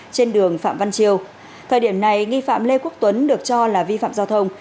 trên đường phạm văn triều thời điểm này nghi phạm lê quốc tuấn được cho là vi phạm giao thông